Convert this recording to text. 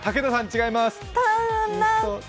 違います。